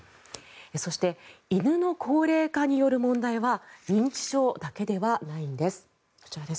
そして、犬の高齢化による問題は認知症だけではないんです。